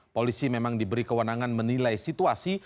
polisi memang diberi kewenangan menilai situasi